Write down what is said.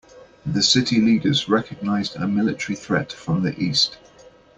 The city leaders recognized a military threat from the east.